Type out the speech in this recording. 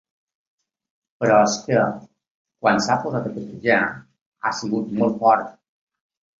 Però és que quan s'ha posat a quequejar ha sigut molt fort.